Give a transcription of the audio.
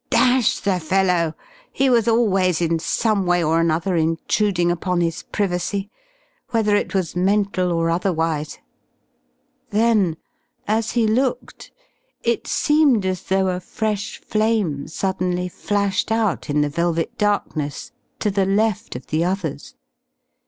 Dash the fellow! He was always, in some way or another, intruding upon his privacy, whether it was mental or otherwise. Then, as he looked, it seemed as though a fresh flame suddenly flashed out in the velvet darkness to the left of the others.